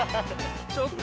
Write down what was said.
ちょっと。